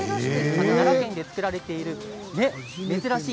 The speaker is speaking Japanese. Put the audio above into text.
奈良県で作られている珍しい